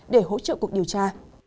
để hỗ trợ cuộc điều tra